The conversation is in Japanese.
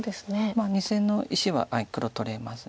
２線の石は黒取れます。